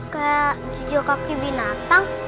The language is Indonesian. kayak suju kaki binatang